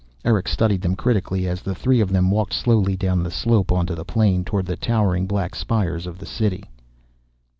Erick studied them critically as the three of them walked slowly down the slope, onto the plain, toward the towering black spires of the City.